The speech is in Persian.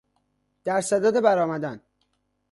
در صدد بر آمدن